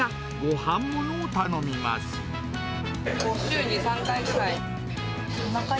週に３回くらい。